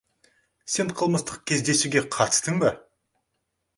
Сен қылмыстық кездесуге қатыстың ба?